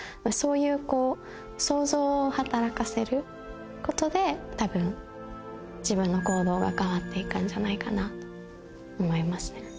そういう想像を働かせることでたぶん自分の行動が変わっていくんじゃないかなと思いますね。